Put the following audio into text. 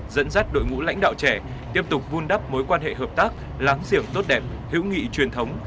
dẫn dắt đội ngũ lãnh đạo trẻ tiếp tục vun đắp mối quan hệ hợp tác láng giềng tốt đẹp hữu nghị truyền thống